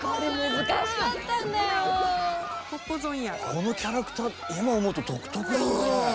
このキャラクター今思うと独特ですね。